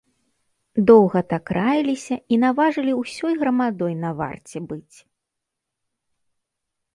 Доўга так раіліся і наважылі ўсёй грамадой на варце быць.